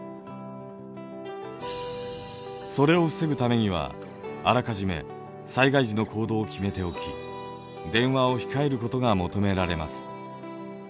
それを防ぐためにはあらかじめ災害時の行動を決めておき電話を控えることが求められます。